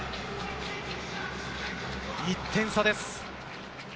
１点差です。